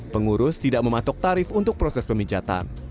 pengurus tidak mematok tarif untuk proses pemijatan